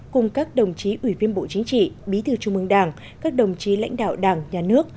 cùng các đồng chí ủy viên bộ chính trị bí thư trung mương đảng các đồng chí lãnh đạo đảng nhà nước